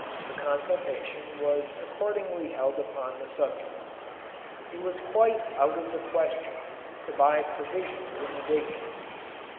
A consultation was accordingly held upon the subject. It was quite out of the question to buy provisions in the diggings.